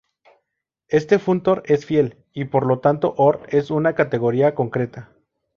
Este funtor es fiel, y por lo tanto Ord es una categoría concreta.